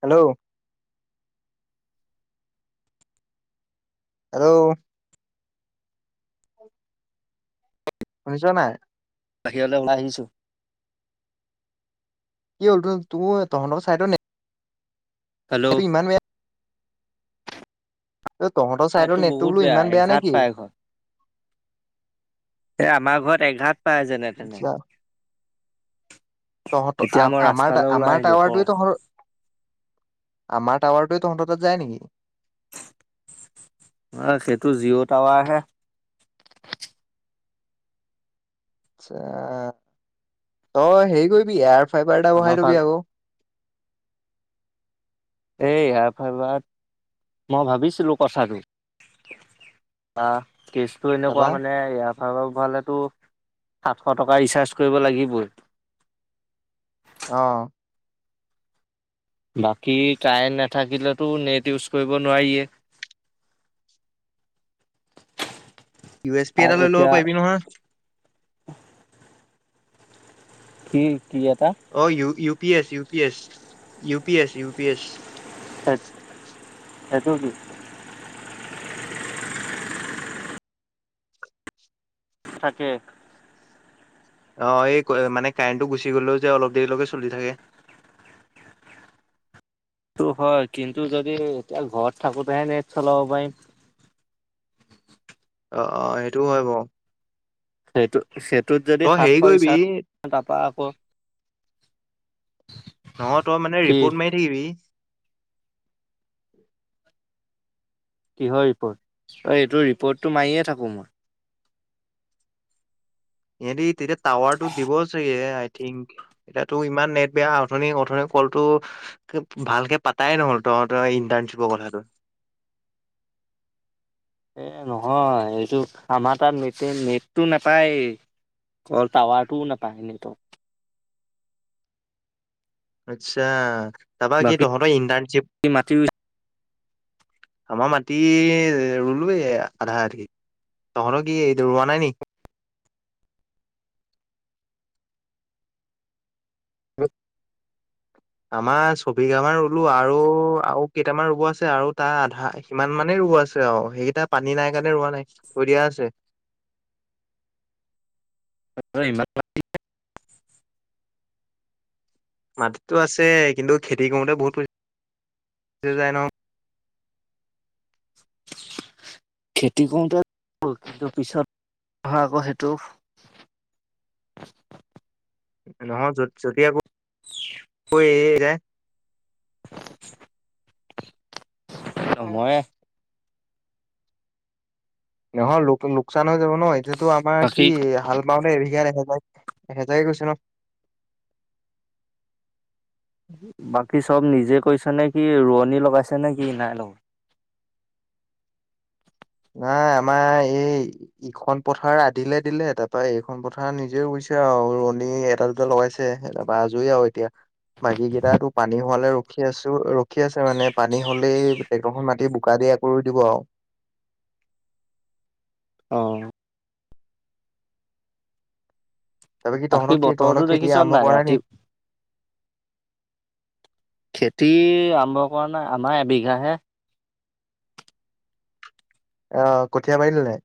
Hello! Hello! শুনিছ নাই? বাহিৰলৈ ওলাই আহিছোঁ। কি হ'ল তু-তু-তহঁতৰ চাইডৰ নেট এইটো হেল্ল' ইমান বেয়া এই তহঁতৰ এইটো ছাইডৰ নেটটো বহুত বোলো ইমান বেয়া এঘাত নেকি? পাই ঘৰত এ আমাৰ ঘৰত এঘাত পায় যেনে তেনে। আচ্ছা তহঁতৰ এতিয়া মই আমাৰ ৰাস্তালৈ ওলাই আমাৰ আহিলো ক টাৱাৰটোৱে তহঁতৰ আমাৰ টাৱাৰটোৱেই তহঁতৰ তাত যায় নেকি? অ' সেইটো জিঅ' টাৱাৰহে আচ্ছা তই হেৰি কৰিবি, এয়াৰ ফাইবাৰ এটা আমাৰ বহাই ফাল লবি আকৌ। এই এয়াৰ ফাইব, মই ভাবিছিলো কথাটো। আহ কেচটো এনেকুৱা তাৰপা মানে, ইয়াৰ ফাইবাৰ বহালেতো সাতশ টকা ৰিচাৰ্জ কৰিব লাগিবই। অহ', বাকী কাৰেণ্ট নাথাকিলেতো নেট ইউজ কৰিব নোৱাৰিয়ে। ইউ এছ পি আৰু এটা লৈ ল'ব এতিয়া পাৰিবি নহয়। কি? কি এটা অহ', ইও - U P S, U P S - U P S - U P S. সে সেইটো কি? [unintelligible] থাকে। অহ', এই ক মানে কাৰেণ্টটো গুচি গলেও যে অলপ দেৰিলৈকে চলি থাকে। টো হয় কিন্তু যদি এতিয়া ঘৰত থাকোতেহে নেট চলাব পাৰিম। অহ', - অহ', সেইটোও হয় বাৰু। সেইটো সেটোত যদি তই হেৰি সাতশ কৰিবি ৰিচাৰ্জ, তাৰপা আকৌ নহয় তই মানে কি ৰিপৰ্ট মাৰি থাকিবি। [inaudible] কিহৰ ৰিপৰ্ট, অহ ', এইটো ৰিপৰ্টটো মাৰিয়ে থাকো মই। সিহতি তেতিয়া টাৱাৰটো দিব চাগে আই থিংক, এতিয়া তোৰ ইমান নেট বেয়া অথনি-অথনি কলটো ভালকে পাতাই নহল তহতৰ ইন্টাৰনশ্বিপৰ কথাটো। এই নহয় এইটো আমাৰ তাত নেটে নেটটো নাপায়ে অকল টাৱাৰটোও নাপায় নেটত। আচ্ছা। তাৰপৰা কি বাকী তহতৰ ইন্টাৰ্ণশ্বিপ মাটি আমাৰ মাটি ৰুলোৱে আধা আধি, তহতৰ কি এইটো ৰোৱা নাই নেকি? আমাৰ ছবিঘামান ৰুলো আৰু-আৰু কেইটামান ৰুব আছে, আৰু তাৰ আধা সিমান মানেই ৰুব আছে আৰু সেইকেইটা পানী নাই কাৰণে ৰোৱা নাই, থৈ দিয়া আছে। তহতৰ ইমান মাটি নে? [unintelligible] মাতিটো আছে, কিন্তু খেতি কৰোতে বহুত পইচা যাই ন। খেতি কৰোতে [unintelligible] কিন্তু পিছত ভাল হব সেইটো নহয় যত যদি আকৌ এই-এই যায়? [unintelligible] ময়ে [unintelligible] নহয় লোক লোকচান হৈ যাব। ন এতিটো আমাৰ কি, বাকী হাল বাওতে এবিঘাত এহেজাৰ এহেজাৰে গৈছে ন। বাকী চব নিজে কৰিচা নে কি? ৰোৱনী লগাইছে নে কি? নাই লগ নাই আমাৰ এই ইখন পথাৰ আধিলে দিলে তাৰপৰা এইখন পথাৰ নিজে ৰুইছে আৰু ৰুৱণী এটা দুটা লগাইছে তাৰপৰা আজৰি আৰু এতিয়া। বাকী কেইটা তোৰ পানী হোৱালে ৰখি আছো ৰখি আছে মানে পানী হলেই টেক্টৰখন মাতি বোকা দি আকৌ ৰুই দিব আৰু। অহ', তাৰপা কি তহঁতৰ বাকী কি তহঁতৰ বতৰৰতো খেতি দেখিছ আৰম্ভ নাই? কৰা নি ৰাতি খেতি আৰম্ভ কৰা নাই, আমাৰ এবিঘাহে। অহ', কঠীয়া পাৰিলি নাই?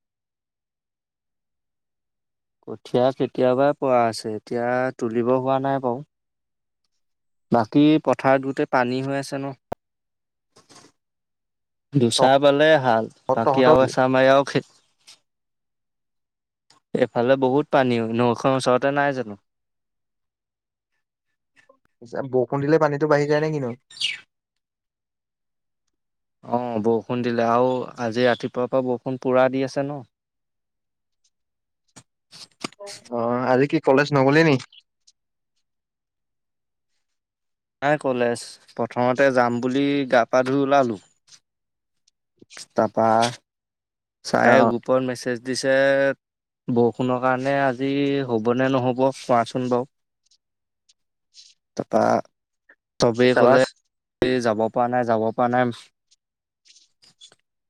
কঠীয়া কেতিয়াবাই পৰা আছে, এতিয়া তুলিব হোৱা নাই বাৰু। বাকী পথাৰত গোটেই পানী হৈ আছে ন? তহ দুচা বালে হাল, বাকী তহঁতৰ আৰু কি এচামাৰি আও খেত এইফালে বহুত পানী নৈখন ওচৰতে নাই জানো। বৰষুণ দিলে। পানীতো বাঢ়ি যায় নে কিনো? অ বৰষুণ দিলে আৰু আজি ৰাতিপুৱাৰ পৰা বৰষুণ পুৰা দি আছে ন। অ আজি কি কলেজ নগলে নি। নাই কলেজ প্ৰথমতে যাম বুলি গা পা ধুই ওলালোঁ। তাপা। অ চাৰে গ্ৰুপত মেছেজ। দিছে বৰষুণৰ কাৰণে আজি হ'বনে নহ'ব চোৱা চোন বাৰু তাৰপৰা। চবেই চাবাচ ক'লে যাব। পৰা নাই যাব পৰা নাই।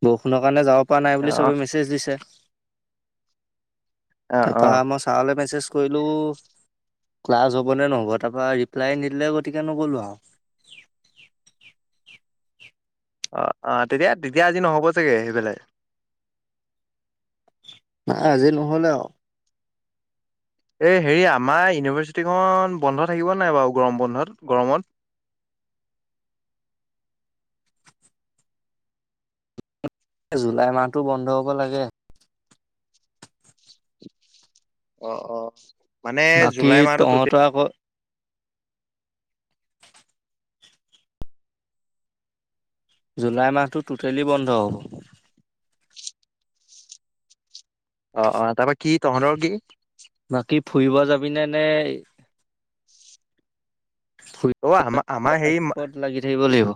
বৰষুণৰ কাৰণে যাব। পোৱা নাই বুলি অ চবে মেছেজ দিছে। অ অ তাৰপৰা মই চাৰলৈ মেছেজ কৰিলোঁ ক্লাছ হ'ব নে নহ'ব তাৰপাৰ ৰিপ্লাই নিদিলে গতিকে নগ'লো আৰু। অ-অ তেতিয়া তেতিয়া আজি নহ'ব চাগে সেইফালে নাই আজি নহলে আৰু। এই হেৰি আমাৰ ইউনিভাৰ্চিটিখন বন্ধ থাকিব নাই বাৰু গৰম বন্ধত গৰমত। এ জুলাই মাহতটো বন্ধ হব লাগে। অ-অ। বাকী তহঁতৰ আকৌ। জুলাই মাহটো টোটেলি বন্ধ হ'ব। অ-অ তাৰপৰা কি তহঁতৰ কি। বাকী। ফুৰিব যাবিনে নে? অ আমাৰ-আমাৰ সেই। ফুৰিবত লাগি থাকিব লাগিব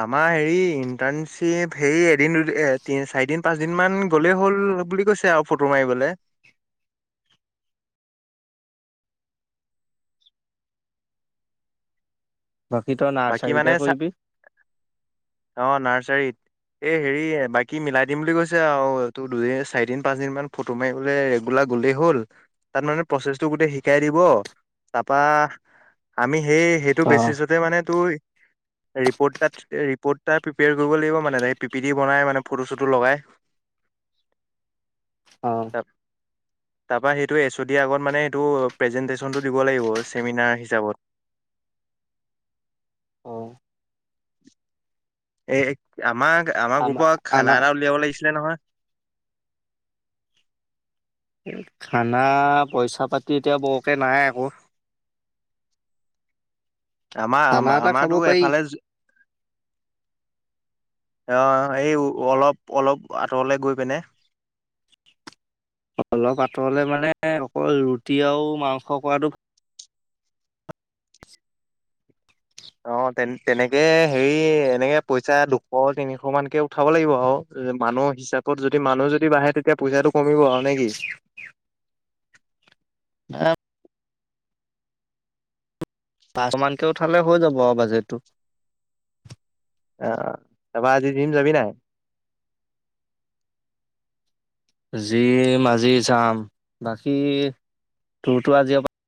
আমাৰ হেৰি ইন্টাৰ্ণশ্বিপ হেৰি এদিন দুদিন চাৰিদিন পাঁচ দিন মান গ'লেই হ'ল বুলি কৈছে আৰু ফটো মাৰিবলৈ। বাকী তই বাকী মানে নাৰ্চাৰীতে চাই কৰিবি। ৰীত হে হেৰি বাকী মিলাই দিম বুলি কৈছে আৰু চাৰি পাঁচ দিন মান ফটো মাৰিবলে ৰেগুলা গ'লে হ'ল তাত মানে প্ৰচেচটো গোটেই শিকাই দিব তাৰ পা আমি। সেই-সেইটো অ বেচিছতে মানে। ৰিপৰ্ট-ৰিপৰ্টটা প্ৰিপয়াৰ কৰিব লাগিব মানে পিপি ডি বনাই মানে ফটো চটো লগাই। অ। তাৰপৰা সেইটো এ চো দিৰ আগত মানে সেইটো প্ৰেজেন্টেশচনটো দিব লাগিব চেমিনাৰ হিচাপত। অ এই আমাৰ। আমাৰ গ্ৰুপত খানা এটা উলিয়াব লাগিছিলে। নহয়। খানা পইচা পাতি এতিয়া বৰকে নাই আকৌ। খানা এটা খাব আমাৰ-আমা-আমাৰোটো পাৰি এফালে [unintelligible] আহ, এই অলপ-অলপ আঁতৰলৈ গৈ পিনে। অলপ আঁতৰলৈ মানে অকল ৰুটি আৰু মাংস খোৱাটোক অ', তেন-তেনেকে হেৰি এনেকে পইচা দুশ তিনিশ মানকে উঠাব লাগিব আৰু। মানুহ হিচাপত যদি মানুহ যদি বাঢ়ে তেতিয়া পইচাটো কমিব আৰু নেকি? [unintelligible] পাঁচ মানকে উঠালে হৈ যাব আৰু বাজেতটো। অ', তাৰপা আজি জিম যাবি নাই? জিম আজি যাম, বাকী তোৰতো আজি আৰু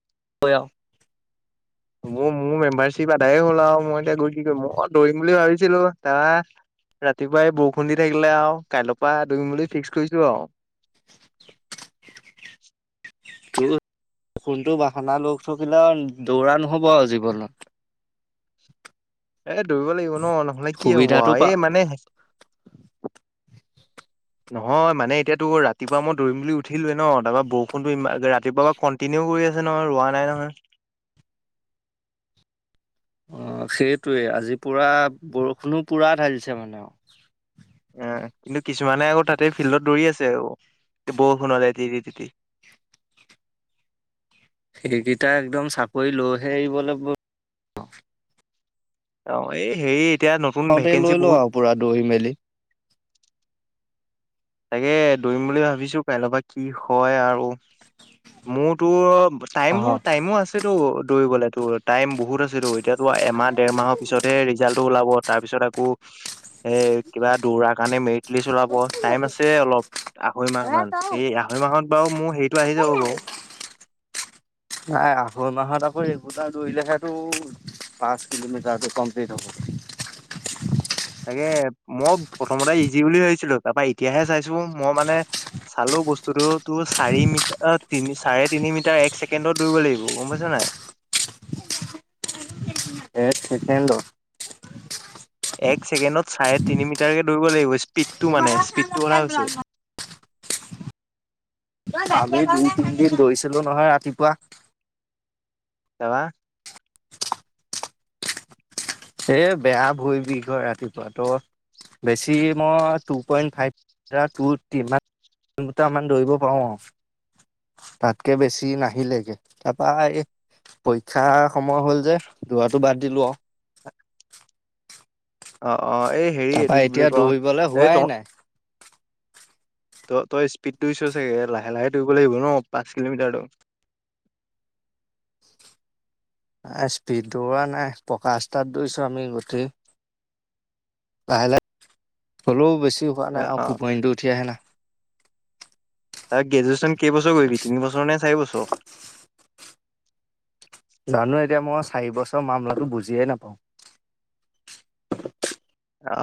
[unintelligible] মো-মোৰ মেমবাৰ [unintelligible] আদায়ে হ'ল আৰু মই এতিয়া গৈ কি কৰিম। মই দৌৰিম বুলি ভাবিছিলো আহ, ৰাতিপুৱাই বৰষুণ দি থাকিলে আৰু, কাইলৈ পা দৌৰিম বুলি ফিক্স কৰিছো আৰু। [inaudible] তোৰো কোনটো বাহানা লগ থাকিলে দৌৰা নহব আৰু জীৱনত। এ দৌৰিব লাগিব ন নহ'লে কি হ'ব, সুবিধাটো পা এই মানে নহয় মানে এতিয়া তোৰ ৰাতিপুৱা মই দৌৰিম বুলি উঠিলোৱে ন, তাৰপৰা বৰষুণটো ইমা ৰাতিপুৱা পা কন্টিনিউ কৰি আছে নহ ৰোৱা নাই নহয়। অ সেইটোৱে আজি পুৰা বৰষুণো পুৰা ঢালিছে মানে আও। এহ কিন্তু কিছুমানে আকৌ তাতে ফিল্ডত দৌৰি আছে আৰু বৰষুণতে তিতি তিতি। সেইকেইটা একদম চাকৰি লৈহে এৰিবলে [unintelligible] তাওৱে এ সেইট তহতে লৈ ল, আৰু পুৰা দোৰি মেলি। তাকে দৌৰিম বুলি ভাবিছো কাইলৈ পা কি হয়, আৰু মোৰতো টাইমবু টাইমো আছেতো। দৌৰিবলে তোৰ টাইম বহুত আছেতো এতিয়াতো এমাহ দেৰ মাহৰ পিছতহে ৰিজাল্টো ওলাব তাৰ পিছত আকৌ এ কিবা দৌৰা কাৰণে মেৰিট লিষ্ট উলাব। টাইম আছে অলপ আঢ়ৈ মাহ মান। এই আঢ়ৈ মাহত বাৰু মোৰ হেৰিটো আহি যাব অ' বাও। মই ৰেগুলাৰ দৌৰিলেহেতো পাঁচ কিলোমিটাৰটো কমপ্লিট হ'ব। তাকে মই প্ৰথমতে ইজি বুলি ভাবিছিলো, তা পা এতিয়াহে চাইছো মই মানে চালো, বস্তুটো তোৰ চাৰি মিটাৰ তিনি চাৰে তিনি মিটাৰ এক ছেকেণ্ডত দৌৰিব লাগিব গম পাইছ নাই। এক চেকেণ্ডত। এক ছেকেণ্ডত চাৰে তিনি মিটাৰকে দৌৰিব লাগিব। পীডটো মানে, স্পীডটো কথা কৈছো। [unintelligible] আমি দুই তিনিদিন দোৰিছিলো নহয় ৰাতিপুৱা। তা পা। এ বেয়া ভৰি বিষ হয় ৰাতিপুৱা ত বেছি মই two point five to kilometre মান দৌৰিব পাৰো আৰু তাতকে বেছি নাহিলেকে তাৰপা এই পৰীক্ষাৰ সময় হ'ল যে দৌৰাটো বাদ দিলো আও। অ। অ এই হেৰি তাৰপা এইটো কি বুলি এতিয়া ক দৌৰিবলে এই ত হোৱাই নাই। ত তই স্পীডটো দিছ চাগে, লাহে লাহে দৌৰিব লাগিব ন পাঁচ কিলোমিটাৰটো। স্পীড দৌৰা নাই পকা ৰাস্তাত দৌৰিছো আমি গোটেই। লাহে লাহে হলেও বেছি। উ কাৰ অ নাই অ ফ পনডু উঠিয়াই আহনা [unintelligible] আ গ্ৰেজুৱেশ্যন কেইবছৰ কৰিবি তিনিবছৰ নে চাৰিবছৰ? জানো এতিয়া মই চাৰি বছৰ মামলাটো বুজিয়ে নাপাওঁ।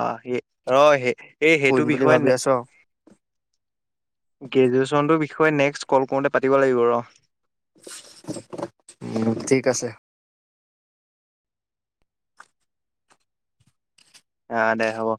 অ হে অ হে [inaudible] এই সেইটো কৰিম বুলি বিষয়ে ভাবি নে আছো আৰু গ্ৰেজুৱেশ্যনটোৰ বিষয়ে নেক্স ক'ল কৰোতে পাতিব লাগিব ৰ। উম ঠিক আছে। অহ দে হ'ব।